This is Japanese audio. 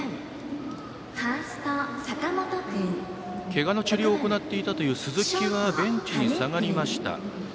けがの治療を行っていたという鈴木はベンチに下がりました。